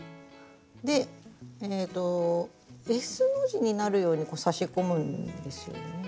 でええとＳの字になるように差し込むんですよね。